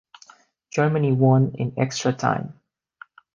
Germany won in extra time.